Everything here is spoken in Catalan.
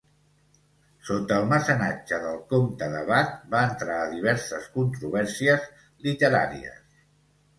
Sota el mecenatge del comte de Bath va entrar a diverses controvèrsies literàries.